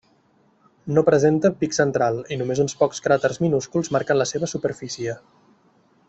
No presenta pic central, i només uns pocs cràters minúsculs marquen la seva superfície.